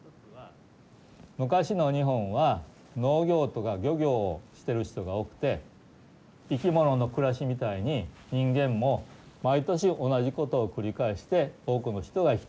昔の日本は農業とか漁業をしてる人が多くて生き物の暮らしみたいに人間も毎年同じことを繰り返して多くの人が生きていました。